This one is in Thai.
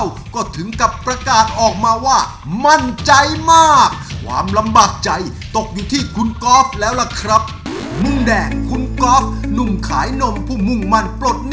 อ่ะทั้งงานขอเชิญคุณก๊อฟเลยครับเชิญครับ